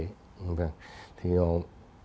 thì quả tim